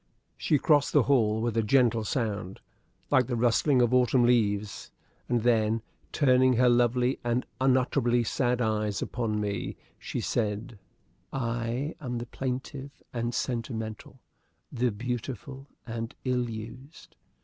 She crossed the hall with a gentle sound, like the rustling of autumn leaves, and then, turning her lovely and unutterably sad eyes upon me, she said: "I am the plaintive and sentimental, the beautiful and ill used.